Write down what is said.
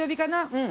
うん。